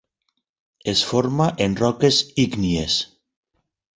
Es forma en roques ígnies.